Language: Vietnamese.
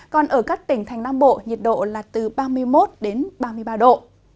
còn ở các tỉnh thành nam bộ nhiệt độ là từ ba mươi một đến ba mươi ba độ